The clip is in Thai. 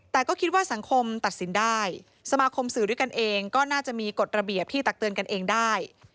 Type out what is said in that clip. แต่ก็คิดว่าสังคมตัดสินได้สมาคมสื่อด้วยกันเองก็น่าจะมีกฎระเบียบที่ตักเตือนกันเองได้